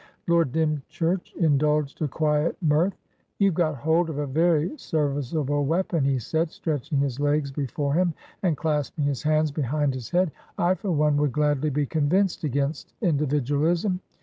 Lord Dymchurch indulged a quiet mirth. "You've got hold of a very serviceable weapon," he said, stretching his legs before him, and clasping his hands behind his head. "I, for one, would gladly be convinced against individualism.